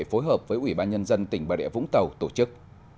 phối hợp với ủy ban nhân dân tỉnh bà địa vũng tàu tổ chức